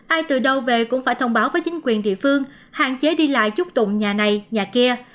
ai từ đâu về cũng phải thông báo với chính quyền địa phương hạn chế đi lại chút tụng nhà này nhà kia